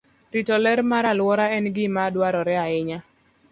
Rito ler mar alwora en gima dwarore ahinya.